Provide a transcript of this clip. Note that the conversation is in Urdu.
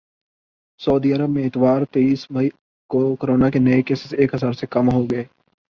سعودی عرب میں اتوار تیس مئی کو کورونا کے نئے کیسز ایک ہزار سے کم ہوگئے